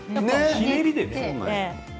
ひねりでね。